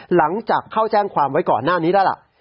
หลังจากเข้าแจ้งความไว้ก่อนหน้านี้แล้วล่ะ